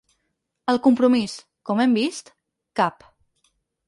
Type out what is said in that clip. El compromís, com hem vist, cap.